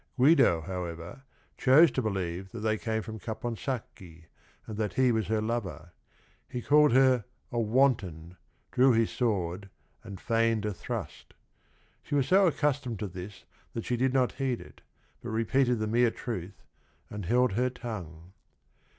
Guido, however, chose to believe that they came from Caponsacchi and that he was her lover. He called her a "wanton," "drew his sword, and feigned a thrust." She was so accus tomed to this that she did not heed it, but repeated the mere truth and held her tongue.